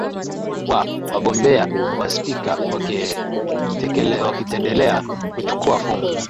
u wagombea wa spika wakietendelea kuchukuwa fomu